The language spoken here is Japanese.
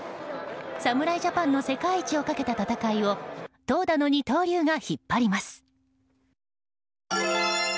侍ジャパンの世界一をかけた戦いを投打の二刀流が引っ張ります。